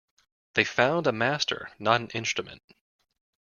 They found a master, not an instrument.